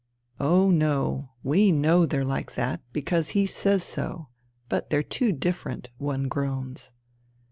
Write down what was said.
" Oh, no ; we know they're like that, because he says so — but they're too different I " one groans.